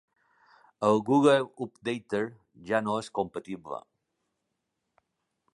El Google Updater ja no és compatible.